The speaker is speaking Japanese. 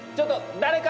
誰か？